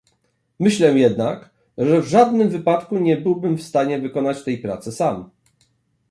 Myślę jednak, że w żadnym wypadku nie byłbym w stanie wykonać tej pracy sam